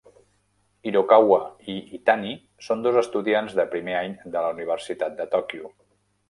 Hirokawa i Itani són dos estudiants de primer any de la Universitat de Tòquio.